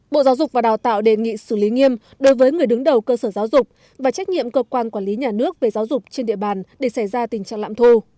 bộ giáo dục và đào tạo đề nghị xử lý nghiêm đối với người đứng đầu cơ sở giáo dục và trách nhiệm cơ quan quản lý nhà nước về giáo dục trên địa bàn để xảy ra tình trạng lãm thu